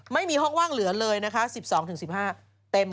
ไม่มีห้องว่างเหลือเลยนะคะ๑๒๑๕เต็ม